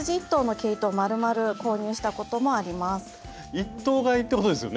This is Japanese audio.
１頭買いってことですよね？